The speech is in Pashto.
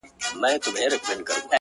ترڅو له ماڅخه ته هېره سې ـ